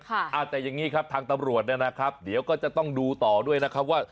แต่อย่างนี้ครับทางตำรวจเนี่ยนะครับเดี๋ยวก็จะต้องดูต่อด้วยนะครับว่า